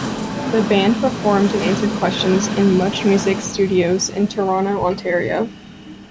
The band performed and answered questions in MuchMusic's studios in Toronto, Ontario.